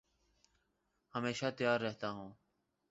ہمیشہ تیار رہتا ہوں